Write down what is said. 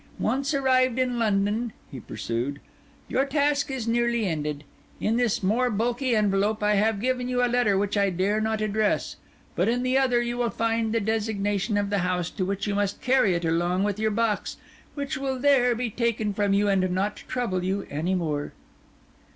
"Once arrived in London," he pursued, "your task is nearly ended. In this more bulky envelope I have given you a letter which I dare not address; but in the other you will find the designation of the house to which you must carry it along with your box, which will there be taken from you and not trouble you any more."